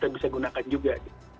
bisa gunakan juga